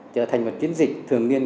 trở thành một chiến dịch thường niên